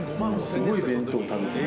すごい弁当食べて。